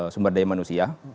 sumber daya manusia